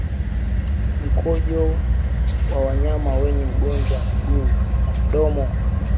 Mkojo wa wanyama wenye ugonjwa wa miguu na midomo